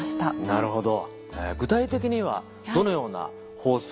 なるほど。